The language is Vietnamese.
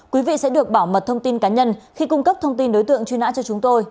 quý vị sẽ được bảo mật thông tin cá nhân khi cung cấp thông tin đối tượng truy nã cho chúng tôi